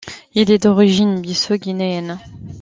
Il est d'origine bissau-guinéenne.